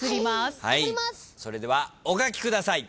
それではお書きください。